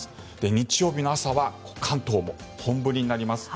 日曜日の朝は関東も本降りになります。